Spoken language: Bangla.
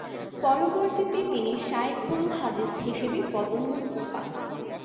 পরবর্তীতে তিনি শায়খুল হাদিস হিসেবে পদোন্নতি পান।